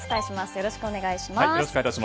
よろしくお願いします。